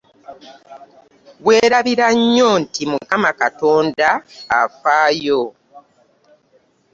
Weerabira nnyo nti mukama katonda afaayo.